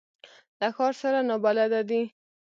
له ښار سره نابلده دي.